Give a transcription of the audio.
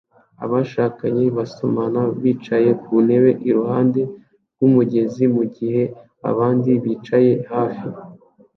Abashakanye basomana bicaye ku ntebe iruhande rw'umugezi mu gihe abandi bicaye hafi